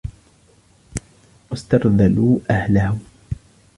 وَاسْتَرْذَلُوا أَهْلَهُ